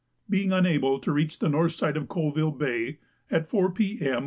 Being unable to reach the north side of Colvile Bay, at 4 P.M.